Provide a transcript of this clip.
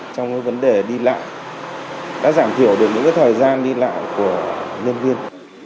trong cái vấn đề đi lại đã giảm thiểu được những cái thời gian đi lại của nhân viên